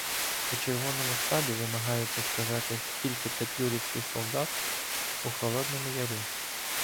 у червоному штабі, вимагаючи сказати, скільки "петлюровскіх салдат" у Холодному Яру.